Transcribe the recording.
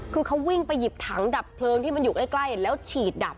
คือเขาวิ่งไปหยิบถังดับเพลิงที่มันอยู่ใกล้แล้วฉีดดับ